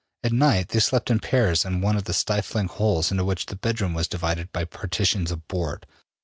At night, they slept in pairs in one of the stifling holes into which the bedroom was divided by partitions of board.